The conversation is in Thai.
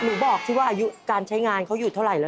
หนูบอกที่ว่าอายุการใช้งานเขาอยู่เท่าไหร่แล้ว